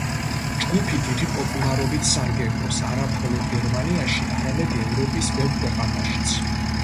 ჯგუფი დიდი პოპულარობით სარგებლობს არა მხოლოდ გერმანიაში, არამედ ევროპის ბევრ ქვეყანაშიც.